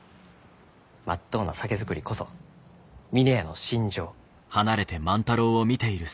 まっとうな酒造りこそ峰屋の信条。